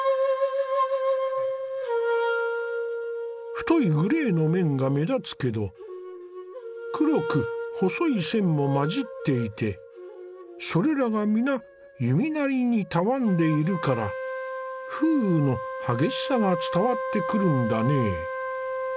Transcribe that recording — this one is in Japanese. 太いグレーの面が目立つけど黒く細い線も交じっていてそれらが皆弓なりにたわんでいるから風雨の激しさが伝わってくるんだね。